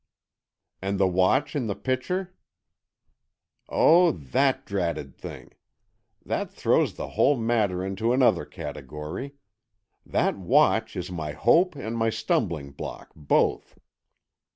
"And the watch in the pitcher?" "Oh, that dratted thing! That throws the whole matter into another category. That watch is my hope and my stumbling block, both."